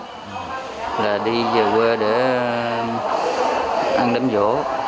hai chú là đi về quê để ăn đám dỗ